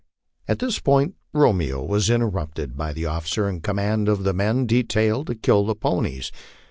At this point Romeo was interrupted by the officer in command of the men detailed to kill the ponies.